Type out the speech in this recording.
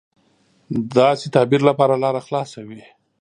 داسې تعبیر لپاره لاره خلاصه وي.